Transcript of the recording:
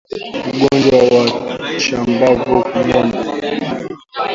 Ugonjwa wa chambavu kwa ngombe